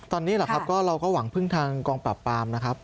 ตอนนี้แหละครับก็เราก็หวังพึ่งทางกองปราบปรามนะครับ